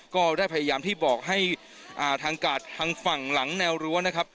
ก็ได้พยายามที่บอกให้ทางกาดทางฝั่งหลังแนวรั้วนะครับ